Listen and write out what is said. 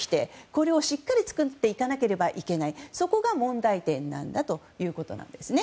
これをしっかり作らないといけないそこが問題点だということです。